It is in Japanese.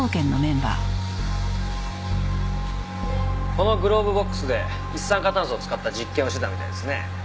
このグローブボックスで一酸化炭素を使った実験をしてたみたいですね。